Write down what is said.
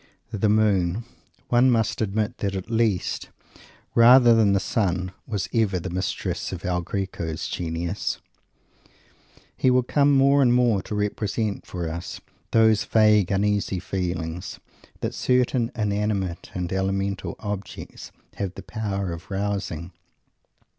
The moon one must admit that, at least rather than the sun, was ever the mistress of El Greco's genius. He will come more and more to represent for us those vague uneasy feelings that certain inanimate and elemental objects have the power of rousing.